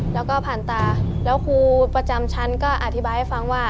แล้วก็ผ่านตาแล้วครูประจำชั้นก็อธิบายให้ฟังว่า